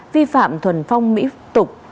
vi phạm thuần phong mỹ tục